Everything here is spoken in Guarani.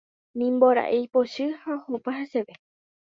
Nimbora'e ipochy ha ohopa heseve.